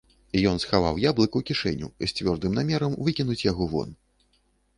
Ён схаваў яблык у кішэню з цвёрдым намерам выкінуць яго вон.